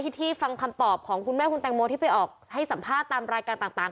ที่ฟังคำตอบของคุณแม่คุณแตงโมที่ไปออกให้สัมภาษณ์ตามรายการต่าง